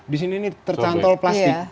di sini ini tercantol plastik